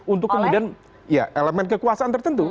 untuk kemudian ya elemen kekuasaan tertentu